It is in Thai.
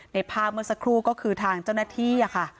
ในภาพเมื่อสักครู่ก็คือทางเจ้าหน้าที่ค่ะ